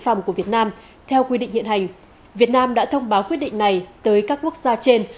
phòng của việt nam theo quy định hiện hành việt nam đã thông báo quyết định này tới các quốc gia trên